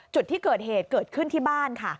จุดที่เกิดเหตุเกิดขึ้นที่บ้านค่ะ